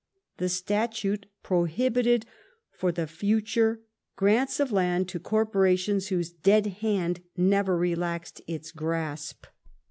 The statute prohibited for the future grants of land to corporations whose "dead hand" never relaxed its grasp.